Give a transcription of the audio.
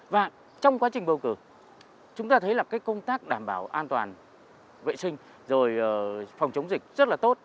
và trong quá trình bầu cử chúng ta thấy là cái công tác đảm bảo an toàn vệ sinh rồi phòng chống dịch rất là tốt